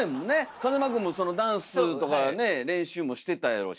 風間くんもそのダンスとかね練習もしてたやろうし。